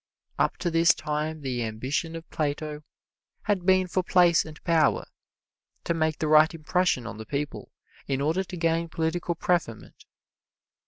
Up to this time the ambition of Plato had been for place and power to make the right impression on the people in order to gain political preferment.